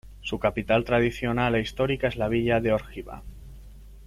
Su capital tradicional e histórica es la villa de Órgiva.